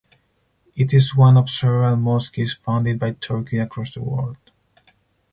It is one of several mosques funded by Turkey across the world.